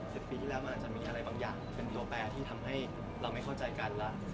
ปีที่แล้วมันอาจจะมีอะไรบางอย่างเป็นตัวแปรที่ทำให้เราไม่เข้าใจกันแล้ว